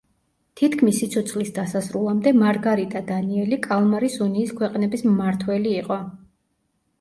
თითქმის სიცოცხლის დასასრულამდე მარგარიტა დანიელი კალმარის უნიის ქვეყნების მმართველი იყო.